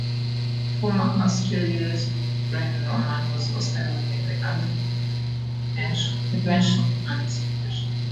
Former Astoria resident Byron Roman was also involved in early cable invention and distribution.